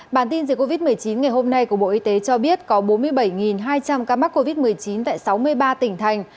bản tin dịch covid một mươi chín ngày hôm nay của bộ y tế cho biết có bốn mươi bảy hai trăm linh ca mắc covid một mươi chín tại sáu mươi ba tỉnh thành